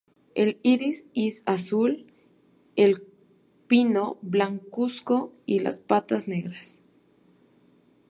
El iris is azul, el pico blancuzco y las patas negras.